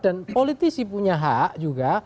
dan politisi punya hak juga